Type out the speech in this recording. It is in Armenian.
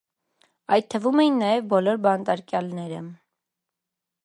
Այդ թվում էին նաև բոլոր բանտարկյալները։